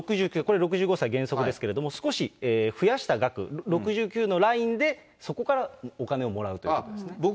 ６９。これ、６５歳原則ですけれども、少し増やした額、６９のラインでそこからお金をもらうということですね。